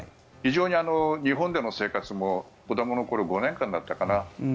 非常に日本での生活も子どもの頃５年間だったかな？